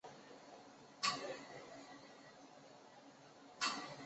他是流亡登丹人皇族最高君王伊兰迪尔的次子。